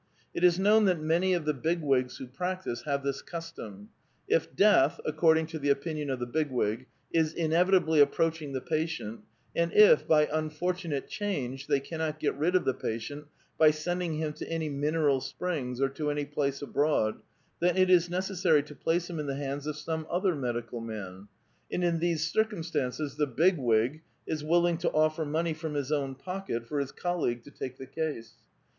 It is known that many of the* Big Wigs who practise have this custom : if death, according to the opinion of the Big Wig, is inevitably approaching the patient, and if, by unfortunate change, they cannot get rid of the patient by sending him to any mineral springs or to any place abroad, then it is uecessaiy to place him in the hands of some other medical man ; and in these circumstances the Big Wig is willing to ofi'er money from his own pocket for his colleague to take the case.